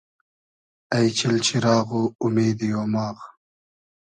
اݷ چیل چیراغ و اومیدی اۉماغ